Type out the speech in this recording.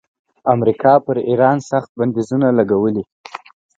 امریکا پر ایران سخت بندیزونه لګولي.